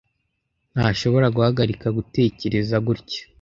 Ntashobora guhagarika gutekereza gutya.